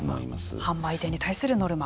販売店に対するノルマ。